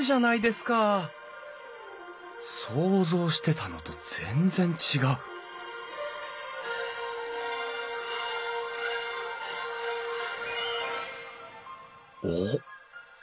想像してたのと全然違うおっ！